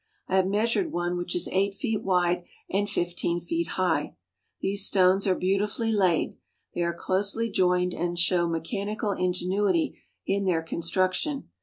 I have measured one which is eight feet wide and fifteen feet high. These stones are beautifully laid. They are closely joined and show mechanical ingenuity in their construction.